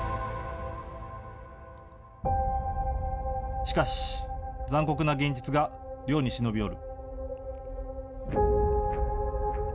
しかし、残酷な現実が亮に忍び寄る。